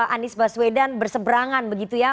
anies baswedan berseberangan begitu ya